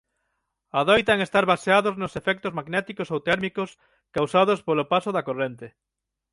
Adoitan estar baseados nos efectos magnéticos ou térmicos causados polo paso da corrente.